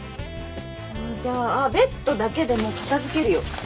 あっじゃあベッドだけでも片付けるよ。